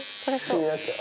気になっちゃう。